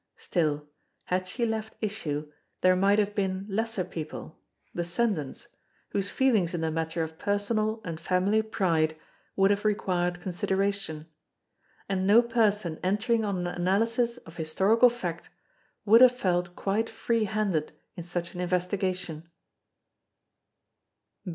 Still, had she left issue there might have been lesser people, descendants, whose feelings in the matter of personal and family pride would have required consideration; and no person entering on an analysis of historical fact would have felt quite free handed in such an investigation.